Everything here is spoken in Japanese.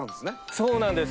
そうなんです。